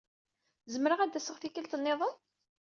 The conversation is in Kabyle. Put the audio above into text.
Zemreɣ ad aseɣ tikelt-nniden?